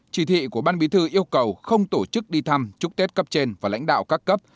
chỉ thị của ban bí thư yêu cầu không tổ chức đi thăm chúc tết cấp trên và lãnh đạo các cấp